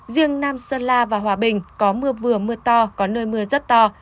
riêng nam sơn la và hòa bình có mưa vừa mưa to có nơi mưa rất to